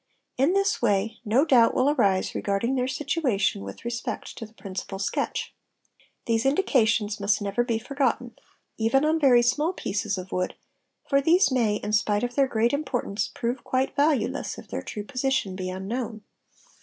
In this way no doubt will arise regarding their situation with respect to the principal sketch, These indications must never be forgotten, even on very small pieces of wood, for these may, in spite of their great importance, prove quite valueless _ if their true position be unknown.